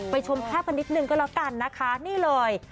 ชมภาพกันนิดนึงก็แล้วกันนะคะนี่เลย